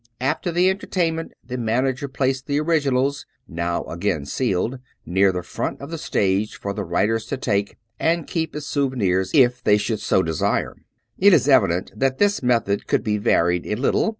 After the entertainment the manager placed the originals (now again sealed) near the front of the stage for the writers to take and keep as souvenirs if they should so desire. It is evident that this method could be varied a little.